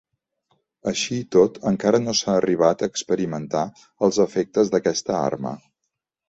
Així i tot encara no s'ha arribat a experimentar els efectes d'aquesta arma.